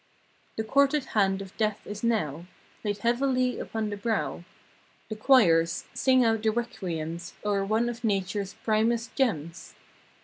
The courted hand of Death is now Laid heavily upon the brow. The choirs—sing out the requiems O'er one of Natures primest gems.